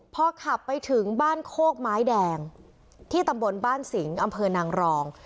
พอขับไปถึงบ้านโคกไม้แดงที่ตำบลบ้านสิงห์อำเภอนางรอง